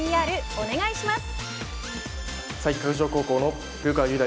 お願いします。